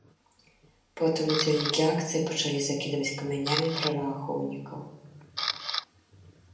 Потым удзельнікі акцыі пачалі закідваць камянямі праваахоўнікаў.